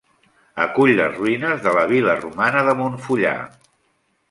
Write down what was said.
Acull les ruïnes de la vil·la romana de Montfullà.